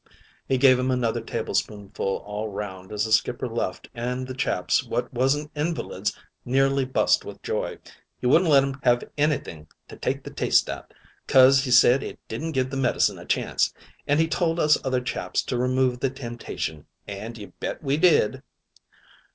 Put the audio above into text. "He gave 'em another tablespoonful all round as the skipper left, an' the chaps what wasn't invalids nearly bust with joy. He wouldn't let 'em have anything to take the taste out, 'cos he said it didn't give the medicine a chance, an' he told us other chaps to remove the temptation, an' you bet we did.